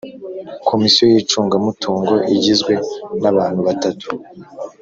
Komisiyo y’icungamutungo igizwe n’abantu batatu